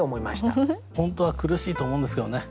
本当は苦しいと思うんですけどね